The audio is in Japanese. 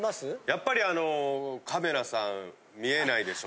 やっぱりあの「カメラさん見えないでしょ」。